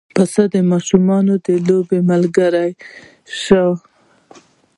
پسه د ماشومانو د لوبې ملګری شي.